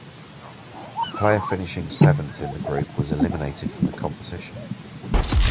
The player finishing seventh in the group was eliminated from the competition.